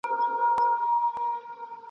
د ملا تر زړه وتلې د غم ستني !.